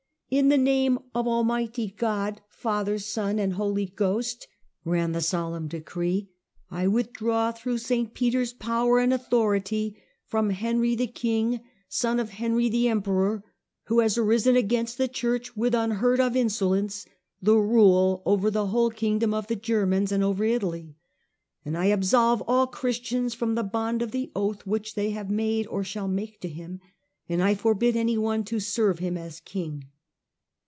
" In the name of Almighty God, Father, Son and Holy Ghost," ran the solemn decree, " I withdraw, through St. Peter's power and authority, from Henry the King, son of Henry the Emperor, who has arisen against the Church with unheard of insolence, the rule over the whole kingdom of the Germans and over Italy. And I absolve all Christians from the bond of the oath which they have made or shall make to him ; and I forbid anyone to serve him as king."